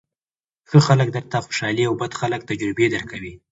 ښه خلک درته خوشالۍ او بد خلک تجربې درکوي.